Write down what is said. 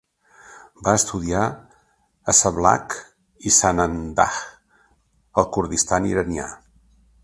Va estudiar a Sablakh i Sanandaj, al Kurdistan iranià.